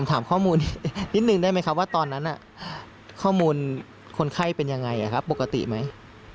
ถามข้อมูลนิดนึงได้ไหมครับว่าตอนนั้นข้อมูลคนไข้เป็นยังไงครับปกติไหม